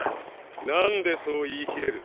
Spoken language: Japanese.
なんでそう言い切れる？